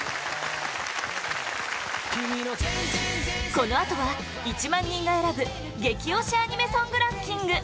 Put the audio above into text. このあとは１万人が選ぶ激推しアニメソングランキング